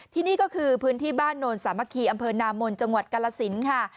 ที่นี่ก็คือพื้นที่บ้านโนนสามัคคีอำเภอนามนจังหวัดกาลสินค่ะ